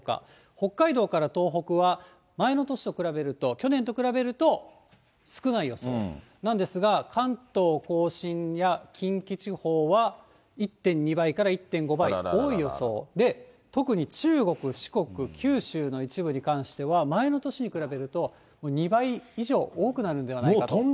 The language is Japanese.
北海道から東北は前の年と比べると、去年と比べると、少ない予想なんですが、関東甲信や近畿地方は１．２倍から１．５倍、多い予想で、特に中国、四国、九州の一部に関しては、前の年に比べると、２倍以上多くなるんではないかと。